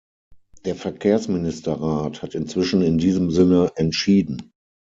Der Verkehrsministerrat hat inzwischen in diesem Sinne entschieden.